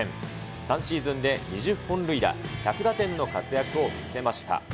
３シーズンで２０本塁打、１００打点の活躍を見せました。